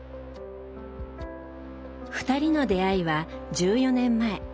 ２人の出会いは１４年前。